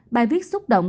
bài viết xúc động